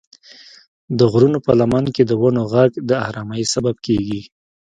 د غرونو په لمن کې د ونو غږ د ارامۍ سبب کېږي.